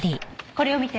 これを見て。